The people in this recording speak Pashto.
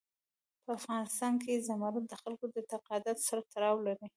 په افغانستان کې زمرد د خلکو د اعتقاداتو سره تړاو لري.